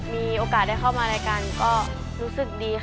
มีโอกาสได้เข้ามารายการก็รู้สึกดีค่ะ